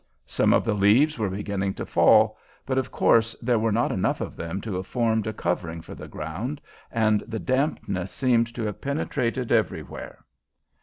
Some of the leaves were beginning to fall, but of course there were not enough of them to have formed a covering for the ground, and the dampness seemed to have penetrated everywhere.